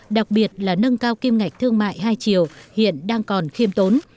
đặc biệt là nâng cao kim ngạch thương mại hai chiều hiện đang còn khiêm tốn